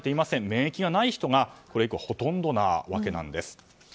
免疫がない人がこれ以降、ほとんどなわけです。